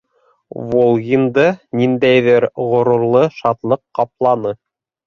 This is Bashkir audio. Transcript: Волгинды ниндәйҙер ғорурлы шатлыҡ ҡапланы.